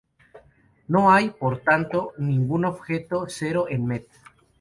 No hay, por tanto, ningún objeto cero en Met.